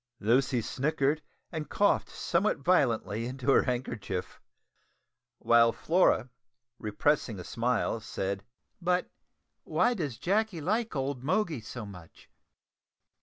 Lucy snickered and coughed somewhat violently into her handkerchief; while Flora, repressing a smile, said "But why does Jacky like old Moggy so much?"